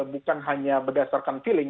bukan hanya berdasarkan feeling